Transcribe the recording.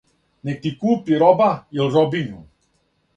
Нек ти купи роба ил' робињу.